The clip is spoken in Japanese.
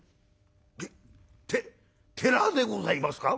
「てて寺でございますか？」。